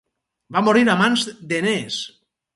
Va morir a mans d'Enees.